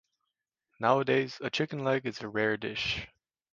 Nowadays, a chicken leg is a rare dish.